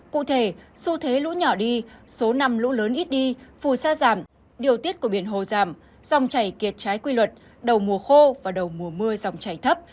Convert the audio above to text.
cụ thể xu thế lũ nhỏ đi số năm lũ lớn ít đi phù sa giảm điều tiết của biển hồ giảm dòng chảy kiệt trái quy luật đầu mùa khô và đầu mùa mưa dòng chảy thấp